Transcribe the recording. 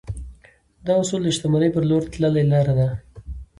دا اصول د شتمنۍ پر لور تللې لاره درښيي.